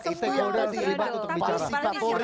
semua harus terlibat untuk bicara